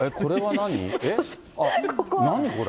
何これ？